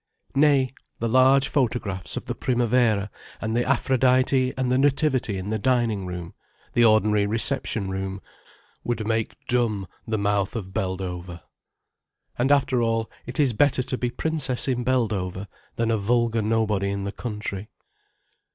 Nay, the large photographs of the Primavera and the Aphrodite and the Nativity in the dining room, the ordinary reception room, would make dumb the mouth of Beldover. And after all, it is better to be princess in Beldover than a vulgar nobody in the country.